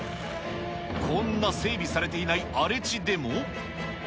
こんな整備されていない荒れ地でも。